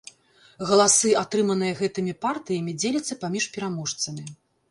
Галасы, атрыманыя гэтымі партыямі, дзеляцца паміж пераможцамі.